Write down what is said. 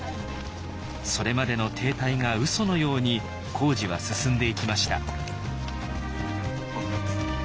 それまでの停滞がうそのように工事は進んでいきました。